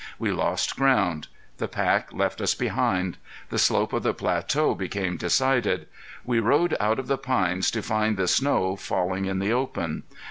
We lost ground. The pack left us behind. The slope of the plateau became decided. We rode out of the pines to find the snow failing in the open.